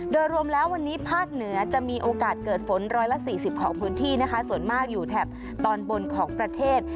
โดยรวมแล้ววันนี้ภาคเหนือจะมีโอกาสเกิดฝน๑๔๐ของพื้นที่นะคะส่วนมากอยู่แถบตอนบนของประเทศ